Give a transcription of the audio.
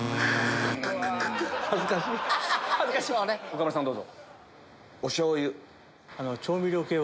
岡村さんどうぞ。